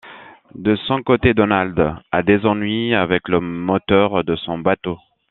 De son côté, Donald a des ennuis avec le moteur de son bateau.